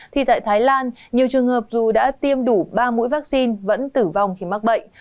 thì tại thái lan nhiều trường hợp dù đã tiêm đủ ba mũi vaccine vẫn tử vong khi mắc bệnh